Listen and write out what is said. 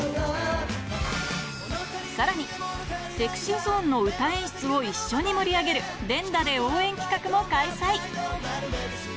さらに、ＳｅｘｙＺｏｎｅの歌演出を一緒に盛り上げる、連打で応援企画も開催。